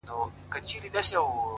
ده ده سقراط لوڼې! سچي فلسفې سترگي!